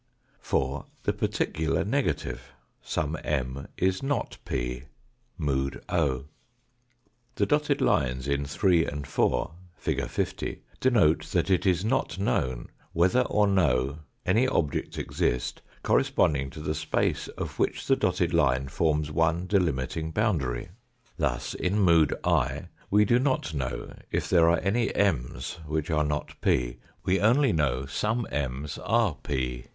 4. The particular negative ; some M is not p, mood o. The dotted lines in 3 and 4, fig. 50, denote that it is not known whether or no any objects exist, corresponding 4. Mood o. Fig. 50. to the space of which the dotted line forms one delimiting boundary ; thus, in mood I we do not know if there are any M'S which are not P, we only know some M'S are P.